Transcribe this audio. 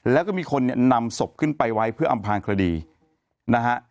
แล้วก็มีคนเนี่ยนำศพขึ้นไปไว้เพื่ออำพางคดีนะฮะ